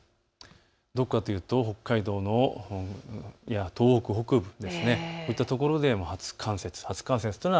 どこかというと北海道から東北北部、こういったところで初冠雪。